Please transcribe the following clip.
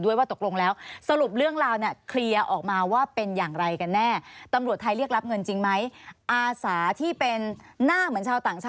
ด้วยว่าตกลงแล้วสรุปเรื่องราวคลียร์ออกมาว่าเป็นอย่างไรกันแน่